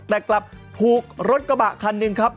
แต่กลับถูกรถกระบะคันหนึ่งครับ